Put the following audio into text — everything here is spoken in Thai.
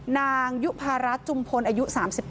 นางยุภารัฐจุมพลอายุ๓๙